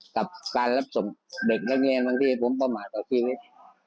กับการรับส่งเด็กนักเรียนบางทีผมประมาทต่อชีวิต